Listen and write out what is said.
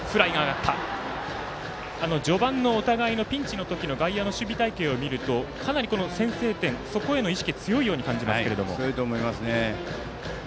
序盤のお互いのピンチのときの外野の守備隊形を見るとかなり先制点、そこへの意識が強いように感じますけども。